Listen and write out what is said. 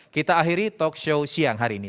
kita akhiri talkshow siang hari ini